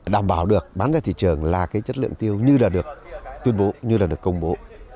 đảm bảo được bán ra thị trường là cái chất lượng tiêu như là được tuyên bố như là được công bố